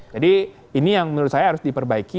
ini yang menurut saya harus diperbaiki